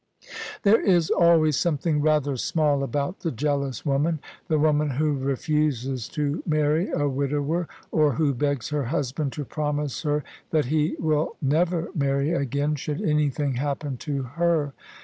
There is always something rather small about the jealous woman — the woman who refuses to marry a widower, or who begs her husband to promise her that he will never marry again should anything happen to her.